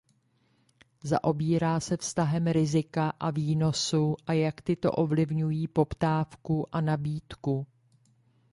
Zaobírá se vztahem rizika a výnosu a jak tyto ovlivňují poptávku a nabídku.